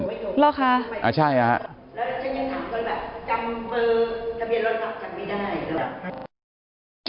เวลาค่ะใช่แล้วฉันยังถามว่าแบบจำมือทะเบียนรถขับจัดไม่ได้